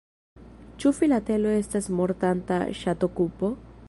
Ĉu filatelo estas mortanta ŝatokupo?